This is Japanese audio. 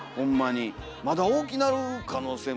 まだ大きなる可能性も。